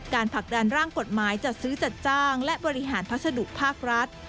ผลักดันร่างกฎหมายจัดซื้อจัดจ้างและบริหารพัสดุภาครัฐ